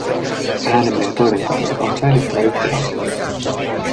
Äänemme ja toimintamme on säilyttävä yhtenäisenä.